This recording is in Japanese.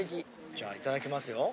じゃあいただきますよ。